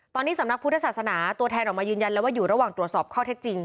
ตอนนี้สำนักพุทธศาสนาตัวแทนออกมายืนยันแล้วว่าอยู่ระหว่างตรวจสอบข้อเท็จจริง